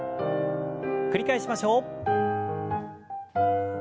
繰り返しましょう。